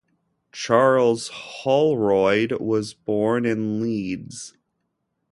Charles Holroyd was born in Leeds.